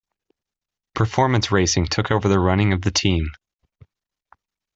Performance Racing took over the running of the team.